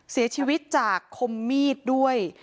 เสียชีวิตจากคมมีดด้วย